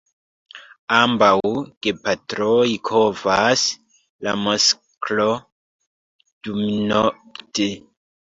Ambaŭ gepatroj kovas, la masklo dumnokte.